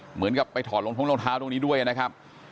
เหมือนกับไปถอดรองท้องรองเท้าตรงนี้ด้วยนะครับ